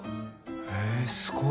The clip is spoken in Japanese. へぇすごい。